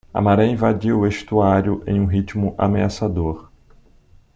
A maré invadiu o estuário em um ritmo ameaçador.